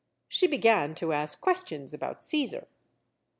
She began to ask questions about Caesar.